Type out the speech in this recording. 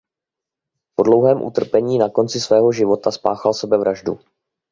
Po dlouhém utrpení na konci svého života spáchal sebevraždu.